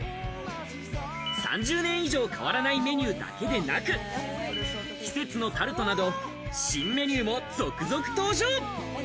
３０年以上変わらないメニューだけでなく、季節のタルトなど新メニューも続々登場。